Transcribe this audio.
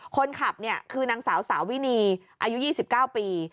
คนขับคือนางสาวสาวินีอายุ๒๙ปี